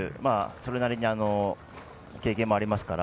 それなりに経験もありますから。